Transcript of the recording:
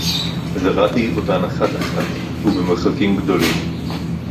זָרַעְתִּי אוֹתָן אַחַת אַחַת, וּבְמֶרְחַקִּים גְּדוֹלִים.